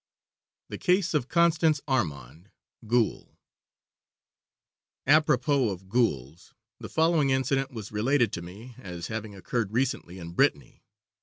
THE CASE OF CONSTANCE ARMANDE, GHOUL À propos of ghouls, the following incident was related to me as having occurred recently in Brittany.